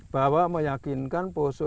bahwa meyakinkan poso